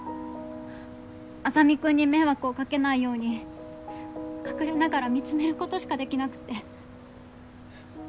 莇君に迷惑をかけないように隠れながら見つめることしかできなくて。